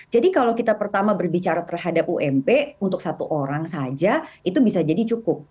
jadi kalau kita pertama berbicara terhadap ump untuk satu orang saja itu bisa jadi cukup